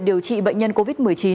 điều trị bệnh nhân covid một mươi chín